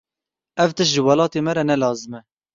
Ev tişt ji welatê me re ne lazim e.